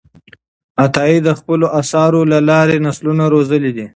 عطایي د خپلو آثارو له لارې نسلونه روزلي دي.